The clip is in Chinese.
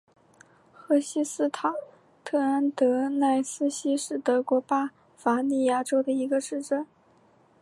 赫希斯塔特安德赖斯希是德国巴伐利亚州的一个市镇。